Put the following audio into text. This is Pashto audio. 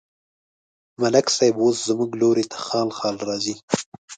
ملک صاحب اوس زموږ لوري ته خال خال راځي.